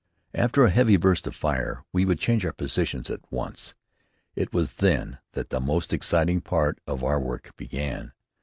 After a heavy burst of fire, we would change our positions at once. It was then that the most exciting part of our work began.